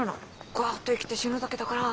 ガッと生きて死ぬだけだから」